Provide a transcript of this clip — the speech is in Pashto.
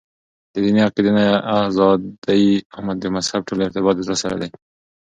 دديني عقيدي نه ازاد دي او دمذهب ټول ارتباط دزړه سره دى .